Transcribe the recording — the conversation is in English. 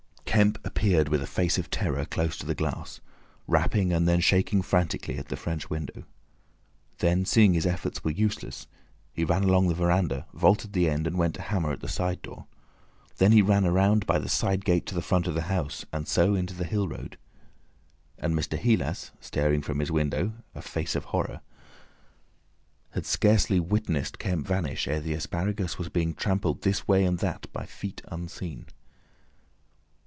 Kemp appeared with a face of terror close to the glass, rapping and then shaking frantically at the French window. Then, seeing his efforts were useless, he ran along the veranda, vaulted the end, and went to hammer at the side door. Then he ran round by the side gate to the front of the house, and so into the hill road. And Mr. Heelas staring from his window—a face of horror—had scarcely witnessed Kemp vanish, ere the asparagus was being trampled this way and that by feet unseen.